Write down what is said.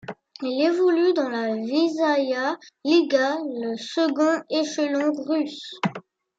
Il évolue dans la Vysshaya Liga, le second échelon russe.